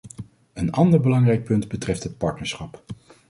Een andere belangrijk punt betreft het partnerschap.